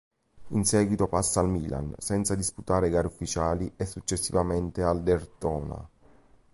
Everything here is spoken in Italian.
In seguito passa al Milan, senza disputare gare ufficiali, e successivamente al Derthona.